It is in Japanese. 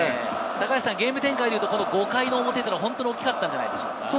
ゲーム展開でいうと５回の表は本当に大きかったんじゃないですか。